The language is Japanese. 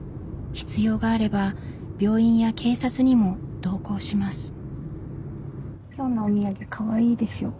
必要があれば病院や警察にも同行します。